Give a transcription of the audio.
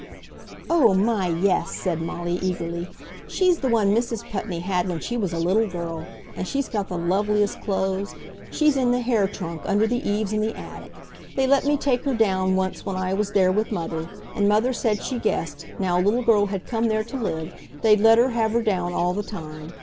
"Oh my, yes!" said Molly, eagerly. "She's the one Mrs. Putney had when she was a little girl. And she's got the loveliest clothes! She's in the hair trunk under the eaves in the attic. They let me take her down once when I was there with Mother. And Mother said she guessed, now a little girl had come there to live, they'd let her have her down all the time.